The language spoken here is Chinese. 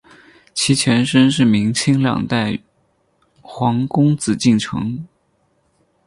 其前身是明清两代皇宫紫禁城。